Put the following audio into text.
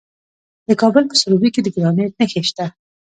د کابل په سروبي کې د ګرانیټ نښې شته.